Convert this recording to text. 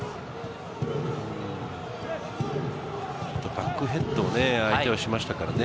バックヘッドを相手がしましたからね。